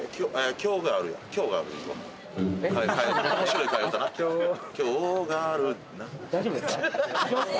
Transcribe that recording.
今日があるって。